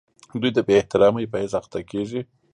دوی د بې احترامۍ په حس اخته کیږي.